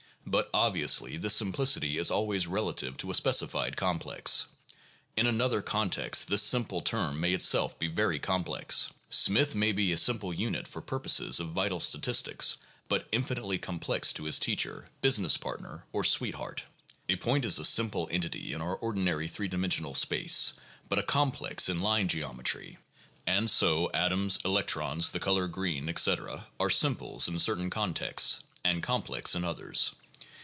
But obviously this simplicity is always relative to a specific complex. In another context this simple term may itself be very complex. Smith may be a simple unit for purposes of vital statistics, but infinitely complex to his teacher, business partner, or sweetheart. A point is a simple entity in our ordinary three dimensional space, but a complex in line geometry ; and so, atoms, electrons, the color green, etc., are simples in certain contexts and complex in others.